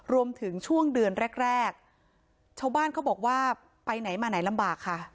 รวมถึงช่วงเดือนแรกแรกชาวบ้านเขาบอกว่าไปไหนมาไหนลำบากค่ะ